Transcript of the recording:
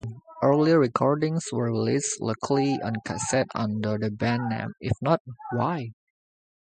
Early recordings were released locally on cassette under the band name "If Not, Why?".